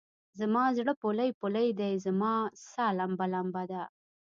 زما زړه پولۍ پولۍدی؛ رما سا لمبه لمبه ده